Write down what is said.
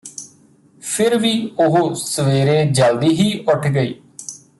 ਫਿਰ ਵੀ ਉਹ ਸਵੇਰੇ ਜਲਦੀ ਹੀ ਉੱਠ ਗਈ